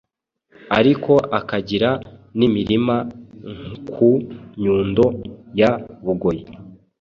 ariko akagira n’imirima ku Nyundo ya Bugoyi